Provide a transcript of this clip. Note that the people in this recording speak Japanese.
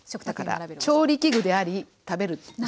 だから調理器具であり食べる器。